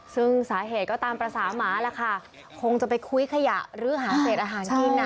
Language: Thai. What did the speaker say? ซึ่งสาเหตุก็ตามภาษาหมาล่ะค่ะคงจะไปคุ้ยขยะหรือหาเศษอาหารกินน่ะ